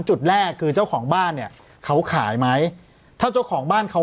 จุดแรกคือเจ้าของบ้านเนี่ยเขาขายไหมถ้าเจ้าของบ้านเขา